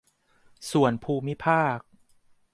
ส่วนภูมิภาค